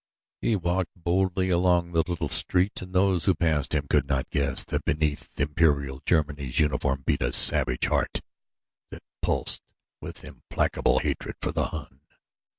He walked boldly along the little street and those who passed him could not guess that beneath Imperial Germany's uniform beat a savage heart that pulsed with implacable hatred for the Hun.